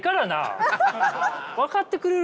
分かってくれるかな？